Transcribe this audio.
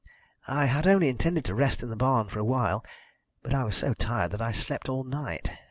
"I had only intended to rest in the barn for a while, but I was so tired that I slept all night.